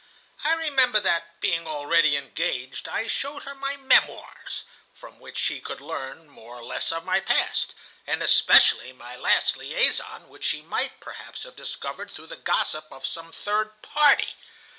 "I remember that, being already engaged, I showed her my 'memoirs,' from which she could learn more or less of my past, and especially my last liaison which she might perhaps have discovered through the gossip of some third party.